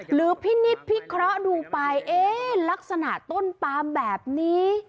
หรือพินิษฐพิเคราะห์ดูไปเอ๊ะลักษณะต้นปามแบบนี้